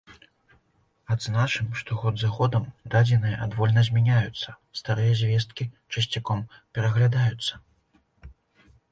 Адзначым, што год за годам дадзеныя адвольна змяняюцца, старыя звесткі часцяком пераглядаюцца.